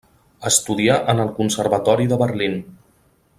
Estudià en el Conservatori de Berlín.